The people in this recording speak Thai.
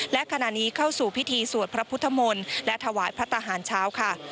และขณะนี้เข้าสู่พิธีสวดพระพุทธมนตร์และถวายพระทหารเช้าค่ะ